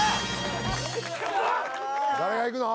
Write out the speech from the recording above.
誰がいくの？